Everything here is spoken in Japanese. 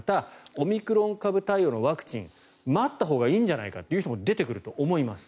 オミクロン株対応のワクチン待ったほうがいいんじゃないかという人も出てくると思います。